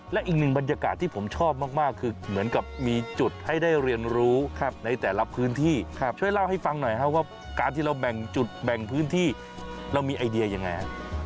และอีกหนึ่งบรรยากาศที่ผมชอบมากคือเหมือนกับมีจุดให้ได้เรียนรู้ในแต่ละพื้นที่ช่วยเล่าให้ฟังหน่อยครับว่าการที่เราแบ่งจุดแบ่งพื้นที่เรามีไอเดียยังไงฮะ